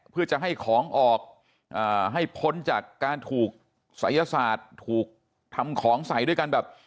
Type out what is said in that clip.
เพื่อจะให้ของออกให้พ้นจากการถูกศัยศาสตร์ถูกทำของใส่ด้วยกันแบบ